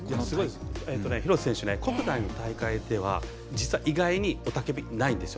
廣瀬選手は国内の大会では実は意外に雄たけび、ないんです。